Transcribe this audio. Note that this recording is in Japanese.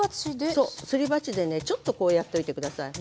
そうすり鉢でねちょっとこうやっといて下さい。